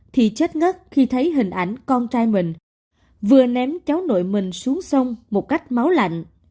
thì chết ngất khi thấy hình ảnh con trai mình vừa ném cháu nội mình xuống sông một cách máu lạnh